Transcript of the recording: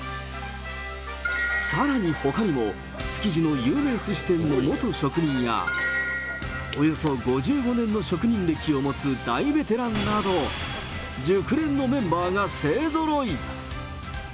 さらに、ほかにも築地の有名すし店の元職人や、およそ５５年の職人歴を持つ大ベテランなど、熟練のメンバーが勢ぞろい。